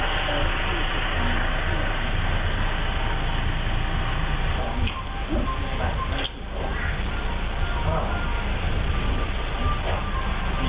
คุณผู้ชมครับคลิปนี้นะฮะเป็นหน้าบ้าน